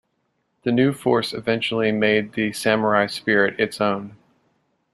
The new force eventually made the samurai spirit its own.